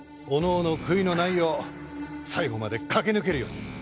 おのおの悔いのないよう最後まで駆け抜けるように。